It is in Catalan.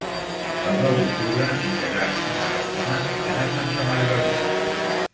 El nou d'octubre en Gerard i na Ramona iran a Santa Margalida.